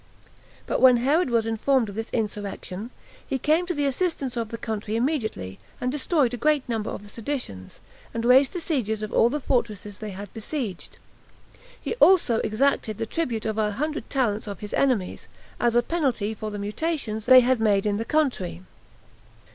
But when Herod was informed of this insurrection, he came to the assistance of the country immediately, and destroyed a great number of the seditions, and raised the sieges of all those fortresses they had besieged; he also exacted the tribute of a hundred talents of his enemies, as a penalty for the mutations they had made in the country.